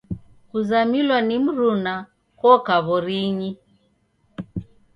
Kuzamilwa ni mruna koka w'orinyi.